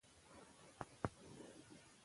کتاب اوس انګریزي ته هم ژباړل شوی.